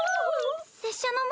拙者のも。